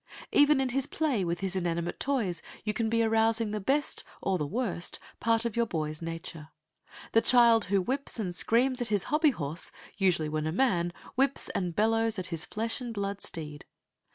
Even in his play with his inanimate toys, you can be arousing the best or the worst part of your boy's nature. The child who whips and screams at his hobby horse usually, when a man, whips and bellows at his flesh and blood steed.